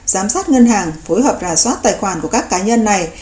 giám sát ngân hàng phối hợp rà soát tài khoản của các cá nhân này